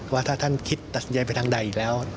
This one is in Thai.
ว่าถ้าท่านคิดตัดสินใจไปทางใดอีกแล้ว